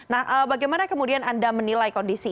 nah bagaimana kemudian anda menilai kondisi